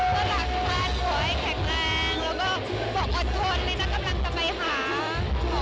ก็รักท่านขอให้แข็งแรงแล้วก็บอกอ่อนทนแล้วนักกำลังจะไปหา